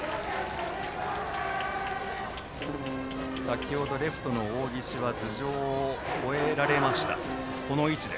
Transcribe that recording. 先程レフトの大岸は頭上を越えられました。